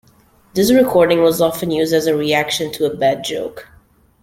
This recording was often used as a reaction to a bad joke.